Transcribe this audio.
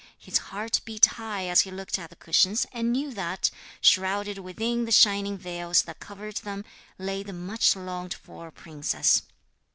His heart beat high as he looked at the cushions, and knew that, shrouded within the shining veils that covered them, lay the much longed for princess.